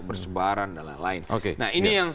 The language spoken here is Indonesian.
bersebaran dan lain lain nah ini yang